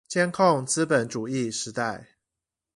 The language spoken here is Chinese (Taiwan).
監控資本主義時代